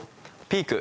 ピーク？